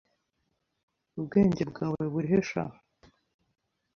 Ubwenge bwawe burihe sha?